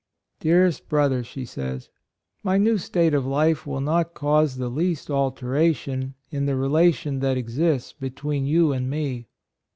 — "Dearest brother," she says, "my new state of life will not cause the least alteration in the relation that exists between you and me.